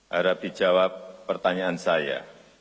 harap dijawab pertanyaan saya